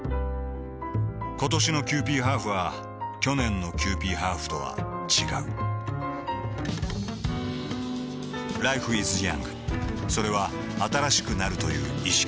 ことしのキユーピーハーフは去年のキユーピーハーフとは違うＬｉｆｅｉｓｙｏｕｎｇ．それは新しくなるという意識